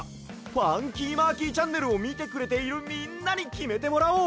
「ファンキーマーキーチャンネル」をみてくれているみんなにきめてもらおう！